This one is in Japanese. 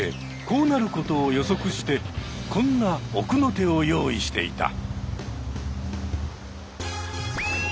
こうなることを予測してこんな奥の手を用意していた。